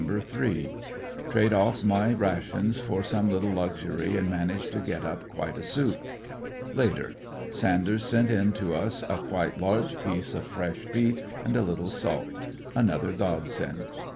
3.— Trade off my rations for some little luxury and man age to get up quite a soup. Later. — Sanders sent in to us a quite large piece of fresh beef and a little salt; another God send.